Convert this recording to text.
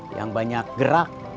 yang banyak gerak si ujang